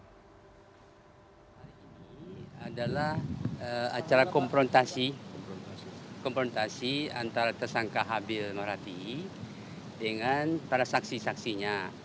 hari ini adalah acara konfrontasi antara tersangka habil norati dengan para saksi saksinya